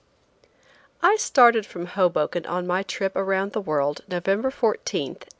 I STARTED from Hoboken, on my trip, around the world, November 14, 1889.